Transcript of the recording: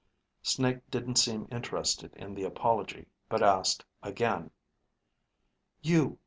Snake didn't seem interested in the apology, but asked again, _You